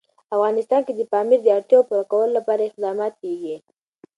افغانستان کې د پامیر د اړتیاوو پوره کولو لپاره اقدامات کېږي.